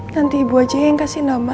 nanti ibu aceh yang kasih nama